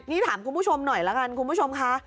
นี่ถามคุณผู้ชมหน่อยละกันคุณผู้ชมค่ะ